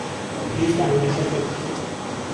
پێویستە ئامێرەکەت رێک بخەیت